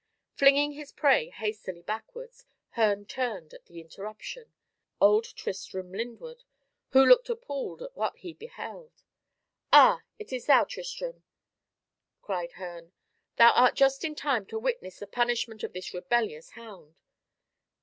Flinging his prey hastily backwards, Herne turned at the interruption, and perceived old Tristram Lyndwood, who looked appalled at what he beheld. "Ah, it is thou, Tristram?" cried Herne; "thou art just in time to witness the punishment of this rebellious hound."